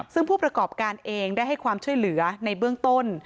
ซึ่งผู้ประกอบการเองได้ให้ความช่วยเหลือในเบื้องต้น